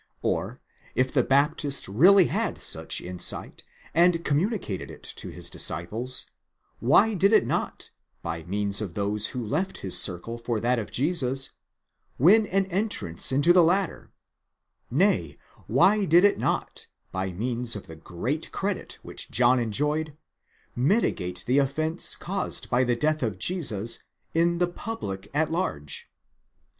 Or, if the Baptist really had such insight, and communicated it to his disciples, why did it not, by means of those who left his circle for that of Jesus, win an entrance into the latter—nay, why did it not, by means of the great credit which John enjoyed, mitigate the offence caused by the death of Jesus, in the public at large